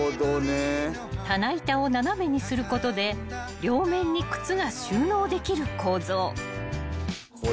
［棚板を斜めにすることで両面に靴が収納できる構造］